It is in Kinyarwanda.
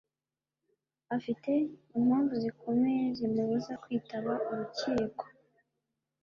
afite impamvu zikomeye zimubuza kwitaba urukiko